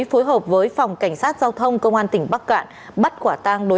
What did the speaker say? phối hợp với phòng cảnh sát giao thông công an tỉnh bắc cạn bắt quả tang đối tượng